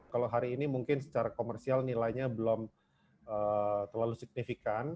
kalau hari ini mungkin secara komersial nilainya belum terlalu signifikan